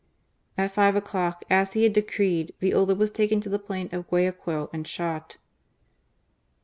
At five o'clock, as he had decreed, Viola was taken to the plain of Guayaquil and shot.